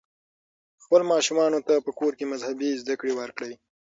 خپلو ماشومانو ته په کور کې مذهبي زده کړې ورکړئ.